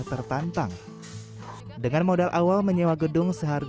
terpenuhi kekuatan dan kekuatan yang menarik dari kekuatan yang menarik dari kekuatan yang menarik dari